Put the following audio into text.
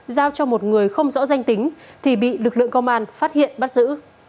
giao cho một người không rõ danh tính thì bị lực lượng công an phát hiện bắt giữ